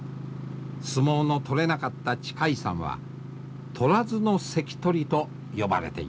相撲の取れなかった智海さんは「取らずの関取」と呼ばれています。